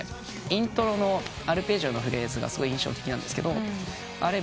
イントロのアルペジオのフレーズがすごい印象的なんですけどあれ